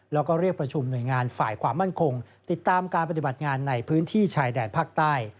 แล้วก็เรียกประชุมหน่วยงานฝ่ายความมั่นคงติดตามการปฏิบัติงานในพื้นที่ชายแดนภาคใต้